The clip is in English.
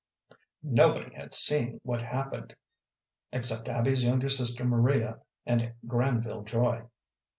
Nobody had seen what happened except Abby's younger sister Maria and Granville Joy.